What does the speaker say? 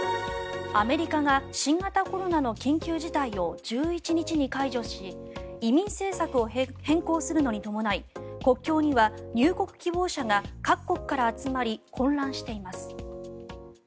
アメリカが新型コロナの緊急事態を１１日に解除し移民政策を変更するのに伴い国境には入国希望者が各国から集まり混乱しています。